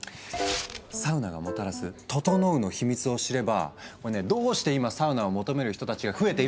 サウナがもたらす「ととのう」の秘密を知ればどうして今サウナを求める人たちが増えているのか？